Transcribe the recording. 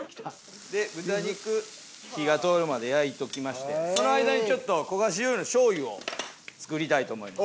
豚肉火が通るまで焼いておきましてその間にちょっと焦がし醤油の醤油を作りたいと思います。